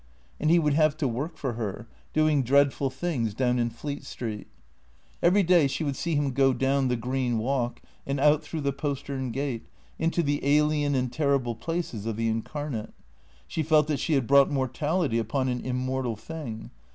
And he would have to work for her, doing dreadful things down in Fleet Street. Every day she would see him go down the green walk, and out through the postern gate, into the alien and terrible places of the incarnate. She felt that she had brought mortality upon an immortal thing.